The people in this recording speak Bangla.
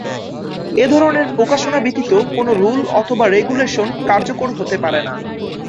এধরনের প্রকাশনা ব্যতীত কোনো রুল অথবা রেগুলেশন কার্যকর হতে পারে না।